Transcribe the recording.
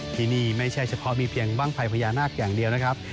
ที่นี่ไม่ใช่เฉพาะมีเพียงบ้างไฟพญานาคอย่างเดียวนะครับ